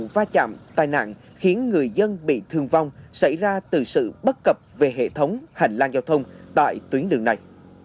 va chạm tai nạn khiến người dân bị thương vong xảy ra từ sự bất cập về hệ thống hành lang giao thông tại tuyến đường này